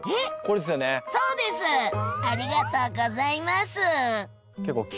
ありがとうございます！